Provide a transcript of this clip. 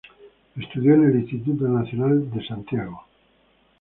Estudió en el Instituto Nacional en Santiago.